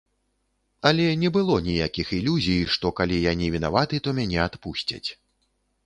Але не было ніякіх ілюзій, што калі я не вінаваты, то мяне адпусцяць.